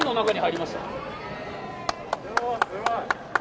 すごい。